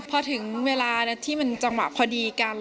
พอถึงเวลาน่ะที่จังหวะพอดีกัน